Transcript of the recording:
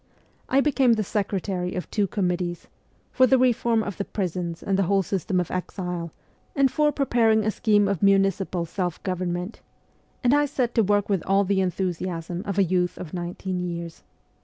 I became the secretary of two committees for the reform of the prisons and the whole system of exile, and for pre paring a scheme of municipal self government and I set to work with all the enthusiasm of a youth of nineteen years.